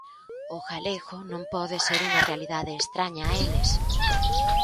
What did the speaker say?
O galego non pode ser unha realidade estraña a eles.